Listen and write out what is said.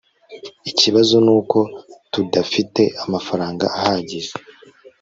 ikibazo nuko tudafite amafaranga ahagije